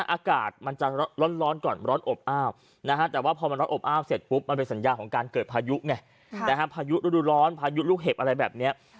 อากาศจะร้อนก่อนร้อนอบอาดแต่พอมันร้อนอบอาดเสร็จปุ๊บ